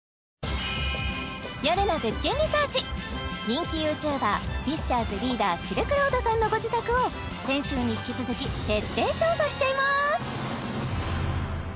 人気ＹｏｕＴｕｂｅｒＦｉｓｃｈｅｒ’ｓリーダーシルクロードさんのご自宅を先週に引き続き徹底調査しちゃいます